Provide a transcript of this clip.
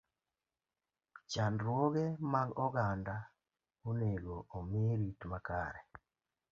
Chandruoge mag oganda onego omi rit makare.